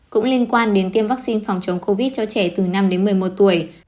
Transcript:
cũng liên quan đến tiêm vaccine phòng chống covid cho trẻ từ năm đến một mươi một tuổi